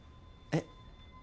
えっ？